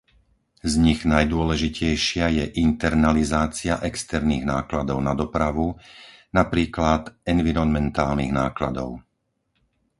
Z nich najdôležitejšia je internalizácia externých nákladov na dopravu, napríklad environmentálnych nákladov.